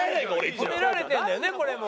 ホメられてるんだよねこれも。